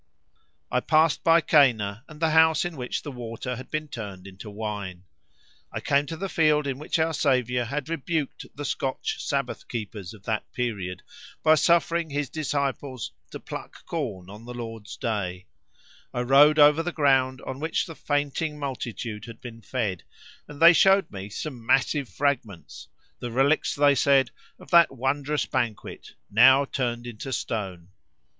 I passed by Cana and the house in which the water had been turned into wine; I came to the field in which our Saviour had rebuked the Scotch Sabbath keepers of that period, by suffering His disciples to pluck corn on the Lord's day; I rode over the ground on which the fainting multitude had been fed, and they showed me some massive fragments—the relics, they said, of that wondrous banquet, now turned into stone.